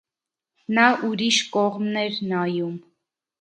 Նա ուրիշ կողմն էր նայում: